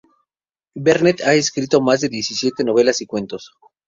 Barnett ha escrito más de diecisiete novelas y cuentos.